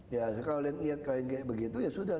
ya kalau lihat kayak begitu ya sudah